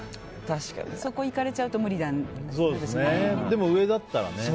そこいかれちゃうとでも上だったらね。